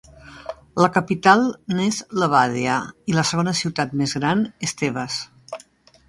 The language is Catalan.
La capital n'és Levàdia i la segona ciutat més gran és Tebes.